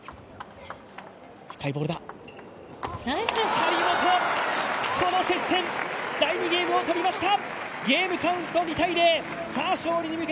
張本、この接戦、第２ゲームを取りました！